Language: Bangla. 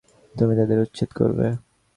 তুমি তাদের উচ্ছেদ করবে।